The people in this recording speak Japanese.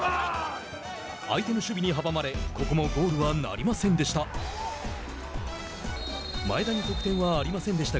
相手の守備に阻まれここもゴールはなりませんでした。